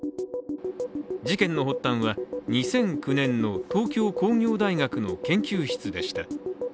事件の発端は、２００９年の東京工業大学の研究室でした。